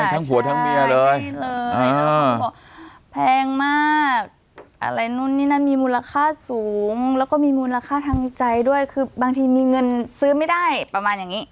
ทั้งผัวทั้งเมียเลยแพงมากอะไรนู่นนี่นั่นมีมูลค่าสูงแล้วก็มีมูลค่าทางใจด้วยคือบางทีมีเงินซื้อไม่ได้ประมาณอย่างนี้